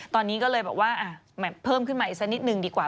ตอนนี้ก็เลยบอกว่าเพิ่มขึ้นมาอีกสักนิดนึงดีกว่า